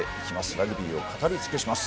ラグビーを語り尽くします。